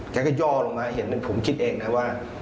แกก็ย่อลงมาเห็นผมคิดเองนะว่า